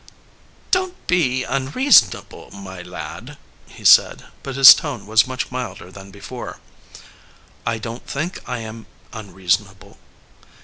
"Don't be unreasonable, my lad," he said, but his tone was much milder than before. "I don't think I am unreasonable."